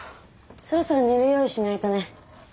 そろそろ寝る用意しないとね。